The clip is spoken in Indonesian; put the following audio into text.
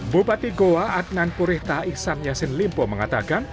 bupati goa adnan purita iksan yasin limpo mengatakan